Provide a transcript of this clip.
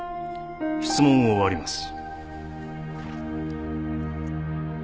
質問を終わります。